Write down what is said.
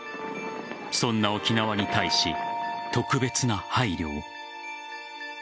そんな沖縄に対し特別な配慮を。